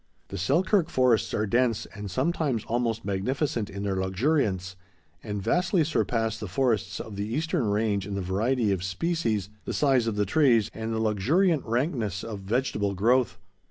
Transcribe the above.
The Selkirk forests are dense and sometimes almost magnificent in their luxuriance, and vastly surpass the forests of the eastern range in the variety of species, the size of the trees, and the luxuriant rankness of vegetable growth.